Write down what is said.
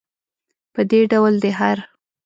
په دې ډول دی هر.